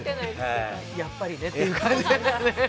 やっぱりねという感じですね。